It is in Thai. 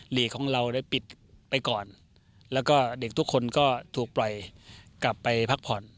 หลีกของเราได้ปิดไปก่อนแล้วก็เด็กทุกคนก็ถูกปล่อยกลับไปพักผ่อน